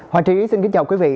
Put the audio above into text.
hoàng trí xin kính chào quý vị